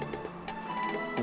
jangan lah ya